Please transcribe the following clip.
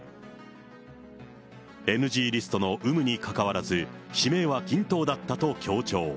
ＮＧリストの有無にかかわらず、指名は均等だったと強調。